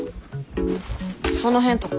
その辺とか。